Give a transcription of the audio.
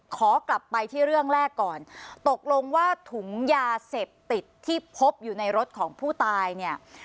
ขอกลับไปที่เรื่องแรกก่อนตกลงว่าถุงยาเสพติดที่พบอยู่ในรถของผู้ตายเนี่ย